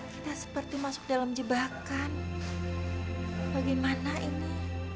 kita seperti masuk dalam jebakan bagaimana ini